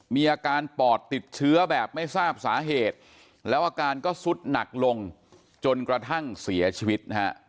มีอาการปอดติดเชื้อแบบไม่ทราบสาเหตุแล้วอาการก็สุดหนักลงจนกระทั่งเสียชีวิตนะฮะ